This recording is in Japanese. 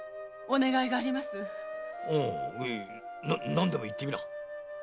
何でも言ってみな。